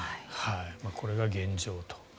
これが現状と。